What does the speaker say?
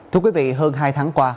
thưa quý vị hơn hai tháng qua